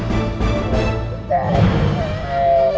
fahri harus tau nih